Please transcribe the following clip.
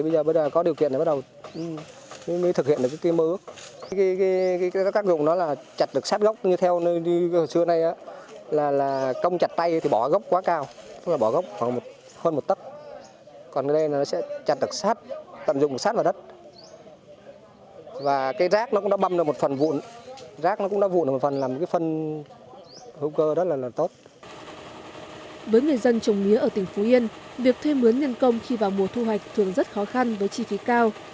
với người dân trồng mía ở tỉnh phú yên việc thuê mướn nhân công khi vào mùa thu hoạch thường rất khó khăn với chi phí cao